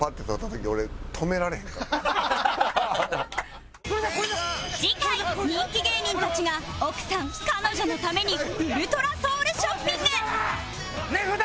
次回人気芸人たちが奥さん彼女のためにウルトラソウルショッピング値札！